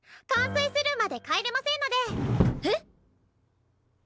完成するまで帰れませんので！へ